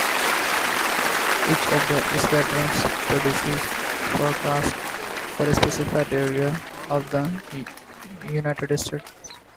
Each of the squadrons produces forecasts for a specified area of the United States.